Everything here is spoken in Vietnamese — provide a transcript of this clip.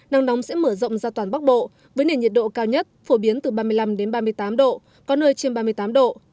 nắng nóng sẽ mở rộng ra toàn bắc bộ với nền nhiệt độ cao nhất phổ biến từ ba mươi năm ba mươi tám độ có nơi trên ba mươi tám độ